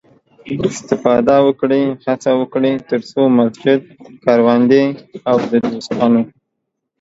استفاده وکړئ، هڅه وکړئ، تر څو مسجد، کروندې او د دوستانو